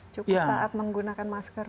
cukup taat menggunakan masker